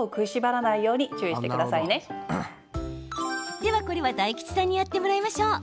では、これは大吉さんにやってもらいましょう。